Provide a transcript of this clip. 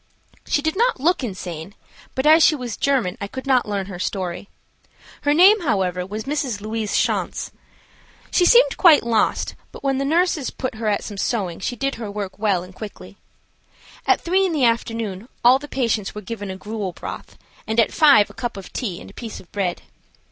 She did not look insane, but as she was German I could not learn her story. Her name, however, was Mrs. Louise Schanz. She seemed quite lost, but when the nurses put her at some sewing she did her work well and quickly. At three in the afternoon all the patients were given a gruel broth, and at five a cup of tea and a piece of bread.